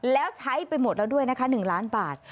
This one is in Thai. แล้วใช้ไปหมดแล้วด้วยนะคะ๑ล้านบาท